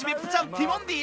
ティモンディ